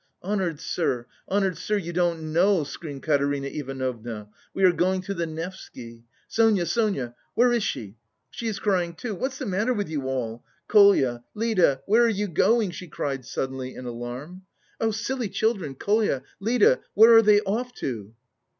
"Honoured sir, honoured sir, you don't know," screamed Katerina Ivanovna. "We are going to the Nevsky.... Sonia, Sonia! Where is she? She is crying too! What's the matter with you all? Kolya, Lida, where are you going?" she cried suddenly in alarm. "Oh, silly children! Kolya, Lida, where are they off to?..."